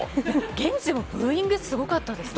現地もブーイングすごかったですね。